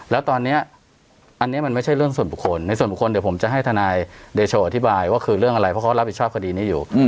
แล้วตอนนี้อันนี้มันไม่ใช่เรื่องส่วนบุคคลในส่วนบุคคลเดี๋ยวผมจะให้ทนายเดโชอธิบายว่าคือเรื่องอะไรเพราะเขารับผิดชอบคดีนี้อยู่